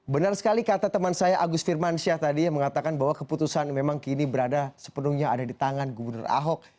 benar sekali kata teman saya agus firmansyah tadi yang mengatakan bahwa keputusan memang kini berada sepenuhnya ada di tangan gubernur ahok